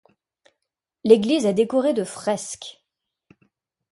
L'église est décorée de fresques.